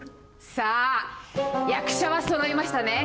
さあ役者は揃いましたね。